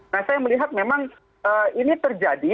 nah saya melihat memang ini terjadi